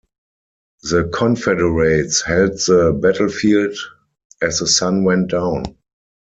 The Confederates held the battlefield as the sun went down.